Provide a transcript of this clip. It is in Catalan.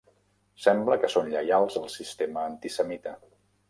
Sembla que són lleials al sistema antisemita.